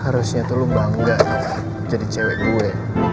harusnya tuh lu bangga jadi cewek gue